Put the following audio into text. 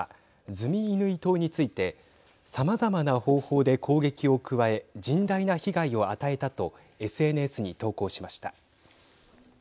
ズミイヌイ島についてさまざまな方法で攻撃を加え甚大な被害を与えたとＳＮＳに投稿しました。